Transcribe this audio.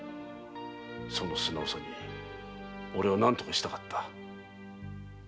その素直さに俺は何とかしたかった。